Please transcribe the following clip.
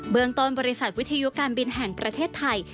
เมืองต้นบริษัทวิทยุการบินแห่งประเทศไทย